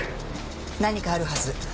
何かあるはず。